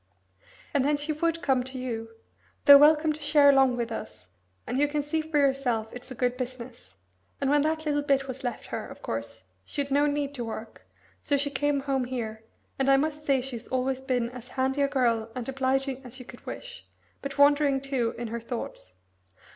"And then she would come to you though welcome to share along with us, and you can see for yourself it's a good business and when that little bit was left her, of course, she'd no need to work, so she came home here, and I must say she's always been as handy a girl and obliging as you could wish, but wandering, too, in her thoughts.